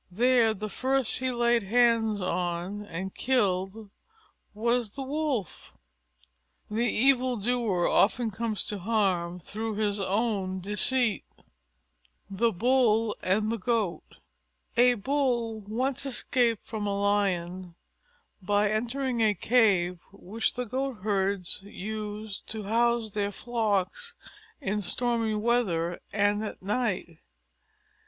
There the first he laid hands on and killed was the Wolf. The evil doer often comes to harm through his own deceit. THE BULL AND THE GOAT A Bull once escaped from a Lion by entering a cave which the Goatherds used to house their flocks in stormy weather and at night.